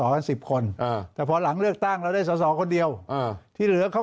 กัน๑๐คนแต่พอหลังเลือกตั้งเราได้สอคนเดียวที่เหลือเขา